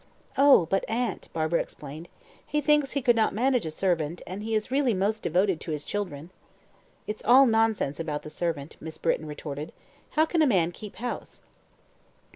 "Oh, but aunt," Barbara explained, "he thinks he could not manage a servant, and he is really most devoted to his children." "It's all nonsense about the servant," Miss Britton retorted. "How can a man keep house?"